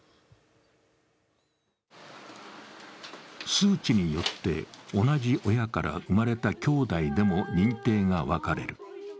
数値によって同じ親から生まれた兄弟でも認定が分かれる。